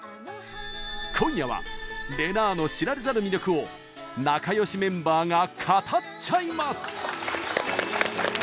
今夜は、れなぁの知られざる魅力を仲よしメンバーが語っちゃいます。